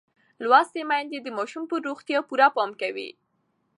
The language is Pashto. لوستې میندې د ماشوم پر روغتیا پوره پام کوي.